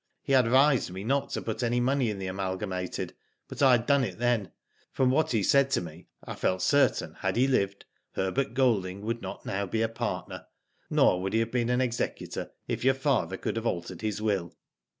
He ad vised me not to put any money in the Amalga mated, but I had done it then. From what he said to me, I feel certain had he lived, Herbert Golding would not now be a partner, nor would he have been an executor if your father could have altered his will."